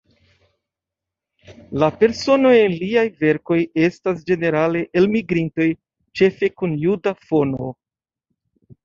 La personoj en liaj verkoj estas ĝenerale elmigrintoj, ĉefe kun juda fono.